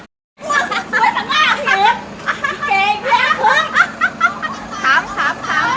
ให้มันถ่ายไปเลย